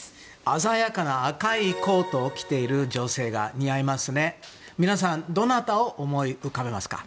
鮮やかな赤いコートを着ている女性、似合いますね。